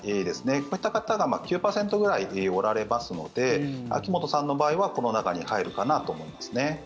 こういった方が９％ぐらいおられますので秋本さんの場合はこの中に入るかなと思いますね。